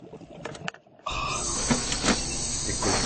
Similar results were produced.